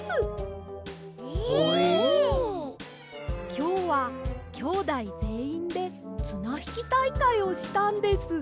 きょうはきょうだいぜんいんでつなひきたいかいをしたんです。